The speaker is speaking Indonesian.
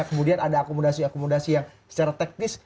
kemudian ada akomodasi akomodasi yang secara teknis